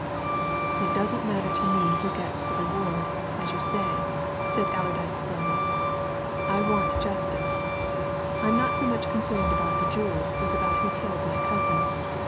"It doesn't matter to me who gets the reward as you say," said Allerdyke slowly. "I want justice. I'm not so much concerned about the jewels as about who killed my cousin.